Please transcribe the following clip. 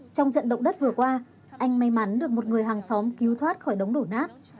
trong trận động đất vừa qua anh may mắn được một người hàng xóm cứu thoát khỏi đống đổ nát